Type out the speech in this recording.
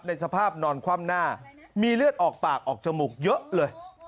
สภาพนอนคว่ำหน้ามีเลือดออกปากออกจมูกเยอะเลย